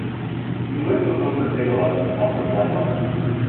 He worked with Wilfred Bigelow and Alfred Blalock.